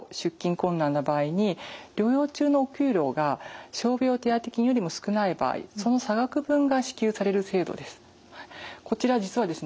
困難な場合に療養中のお給料が傷病手当金よりも少ない場合その差額分が支給される制度です。